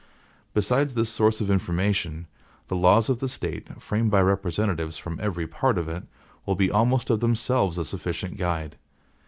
Besides this source of information, the laws of the State, framed by representatives from every part of it, will be almost of themselves a sufficient guide.